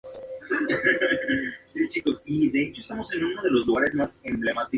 Tuyo es, y mío no.